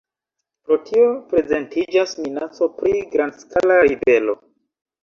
Pro tio prezentiĝas minaco pri grandskala ribelo.